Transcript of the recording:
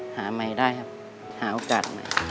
หาใหม่ได้ครับหาโอกาสใหม่